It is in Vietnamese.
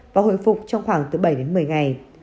và hồi phục trong khoảng từ bảy đến một mươi ngày